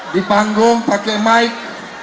di panggung pakai mic